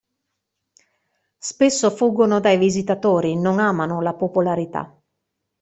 Spesso fuggono dai visitatori non amano la popolarità.